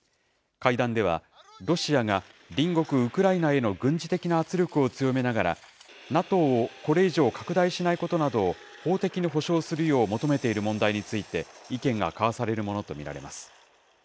会談では、ロシアが隣国、ウクライナへの軍事的な圧力を強めながら、ＮＡＴＯをこれ以上拡大しないことなどを法的に保証するよう求めている問題について、意見が交わされるものと見られます。